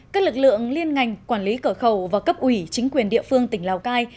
các lực lượng liên ngành quản lý cửa khẩu và cấp ủy chính quyền địa phương tỉnh lào cai